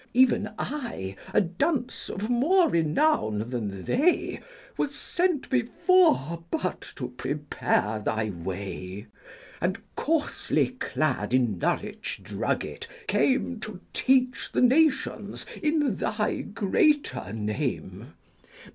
mwu"*"* 1 30 Even I, a dunce of more renown than they, Was sent before but to prepare thy way ; And, coarsely clad in Norwich drugget, came To teach the nations in thy greater name.